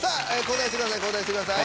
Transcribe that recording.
交代してください